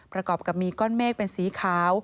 ประกอบกับมีก้อนเมฆเป็นสีขาว